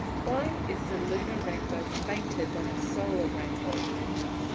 _Why is the lunar rainbow fainter than a solar rainbow?